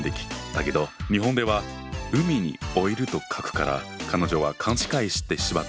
だけど日本では海に老いると書くから彼女は勘違いしてしまったんだね。